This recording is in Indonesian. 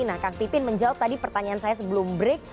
nah kang pipin menjawab tadi pertanyaan saya sebelum break